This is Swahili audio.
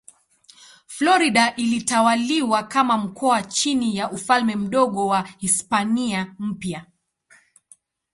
Florida ilitawaliwa kama mkoa chini ya Ufalme Mdogo wa Hispania Mpya.